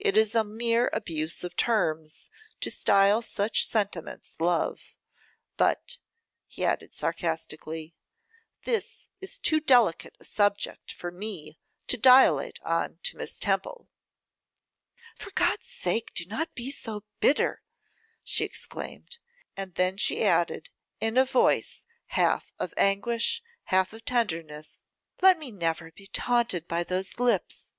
It is a mere abuse of terms to style such sentiments love. But,' added he sarcastically, 'this is too delicate a subject for me to dilate on to Miss Temple.' 'For God's sake, do not be so bitter!' she exclaimed; and then she added, in a voice half of anguish, half of tenderness, 'Let me never be taunted by those lips!